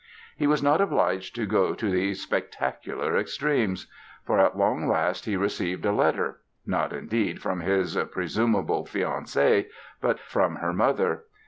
He was not obliged to go to these spectacular extremes. For at long last he received a letter—not, indeed, from his presumable fiancée, but from her mother.